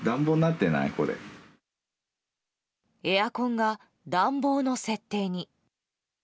エアコンが暖房の設定に。